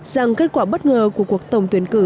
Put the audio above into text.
rằng kết quả bất ngờ của cuộc tổng tuyển cử